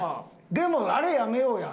でもあれやめようや。